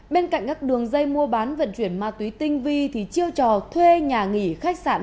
bên cạnh các đường dây mua bán vận chuyển ma túy tinh vi thì chiêu trò thuê nhà nghỉ khách sạn